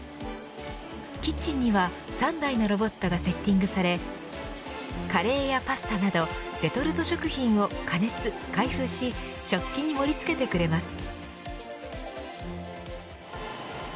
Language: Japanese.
キッチンには３台のロボットがセッティングされカレーやパスタなどレトルト食品を加熱、開封し食器に盛り付けてくれます。